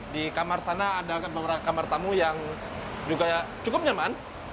di kamar sana ada beberapa kamar tamu yang juga cukup nyaman